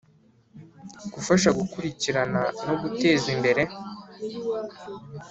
Gufasha Gukurikirana No Guteza Imbere